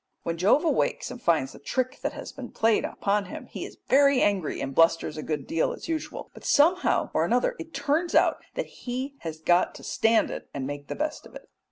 When Jove awakes and finds the trick that has been played upon him, he is very angry and blusters a good deal as usual, but somehow or another it turns out that he has got to stand it and make the best of it.